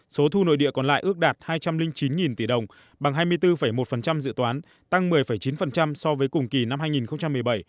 số thu nội địa còn lại ước đạt hai trăm linh chín tỷ đồng bằng hai mươi bốn một dự toán tăng một mươi chín so với cùng kỳ năm hai nghìn một mươi bảy